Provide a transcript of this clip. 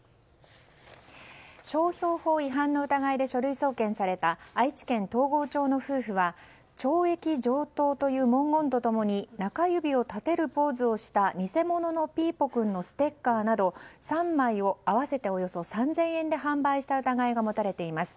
商標法違反の疑いで書類送検された愛知県東郷町の夫婦は「懲役上等」という文言と共に中指を立てるポーズをした偽物のピーポくんのステッカーなど３枚を合わせておよそ３０００円で販売した疑いが持たれています。